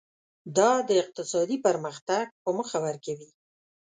دا د اقتصادي پرمختګ په موخه ورکوي.